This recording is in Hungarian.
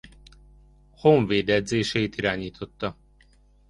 Honvéd edzéseit irányította.